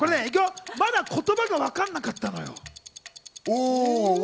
まだ言葉が分かんなかったのよ。